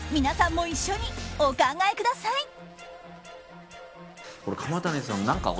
皆さんも一緒にお考えください。